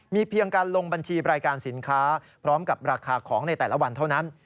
เพียงการลงบัญชีรายการสินค้าพร้อมกับราคาของในแต่ละวันเท่านั้น